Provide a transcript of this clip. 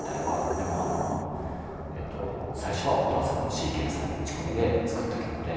でもあの最初は音遊びでシーケンサーで打ち込みで作った曲で。